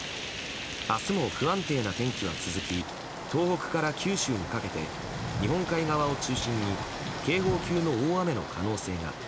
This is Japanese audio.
明日も不安定な天気は続き東北から九州にかけて日本海側を中心に警報級の大雨の可能性が。